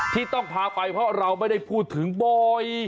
ที่ต้องพาไปเพราะเราไม่ได้พูดถึงบ่อย